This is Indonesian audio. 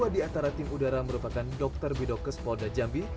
lima di antara tim udara merupakan dokter bidokes polda jambi